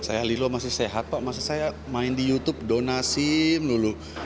saya lilo masih sehat pak masa saya main di youtube donasi dulu